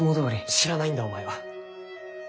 知らないんだお前は。